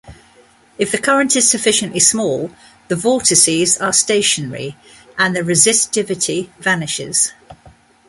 If the current is sufficiently small, the vortices are stationary, and the resistivity vanishes.